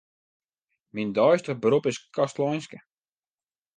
Myn deistich berop is kastleinske.